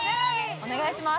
お願いします。